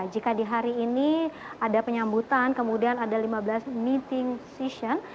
jika di hari ini ada penyambutan kemudian ada lima belas meeting session